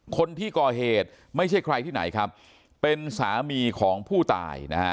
คนที่ก่อเหตุไม่ใช่ใครที่ไหนครับเป็นสามีของผู้ตายนะฮะ